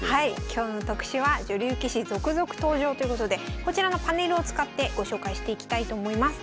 今日の特集は「女流棋士続々登場！」ということでこちらのパネルを使ってご紹介していきたいと思います。